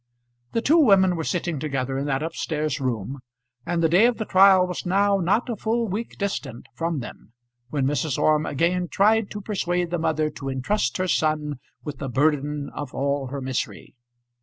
The two women were sitting together in that up stairs room; and the day of the trial was now not a full week distant from them, when Mrs. Orme again tried to persuade the mother to intrust her son with the burden of all her misery.